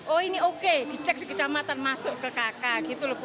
oh ini oke dicek di kecamatan masuk ke kk gitu loh bu